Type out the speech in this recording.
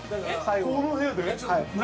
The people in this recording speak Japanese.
◆この部屋で？